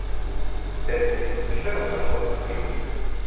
دەبێت شەرم لە خۆت بکەیت.